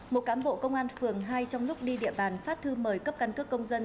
một cán bộ công an phường hai trong lúc đi địa bàn phát thư mời cấp căn cước công dân